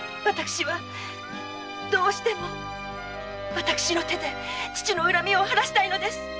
私はどうしても私の手で父の恨みを晴らしたいのです！